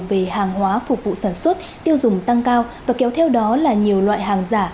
về hàng hóa phục vụ sản xuất tiêu dùng tăng cao và kéo theo đó là nhiều loại hàng giả